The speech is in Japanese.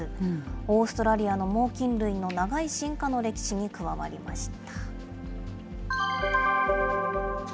オーストラリアの猛きん類の長い進化の歴史に加わりました。